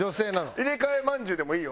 入れ替えまんじゅうでもいいよ。